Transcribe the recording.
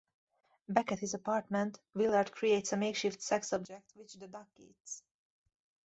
Back at his apartment, Willard creates a makeshift sex object, which the duck eats.